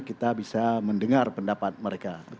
kita bisa mendengar pendapat mereka